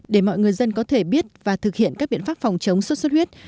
để mọi người dân có thể biết và thực hiện các biện pháp phòng chống sốt xuất huyết